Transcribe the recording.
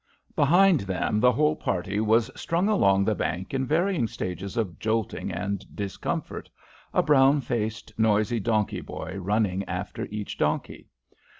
Behind them the whole party was strung along the bank in varying stages of jolting and discomfort, a brown faced, noisy donkey boy running after each donkey.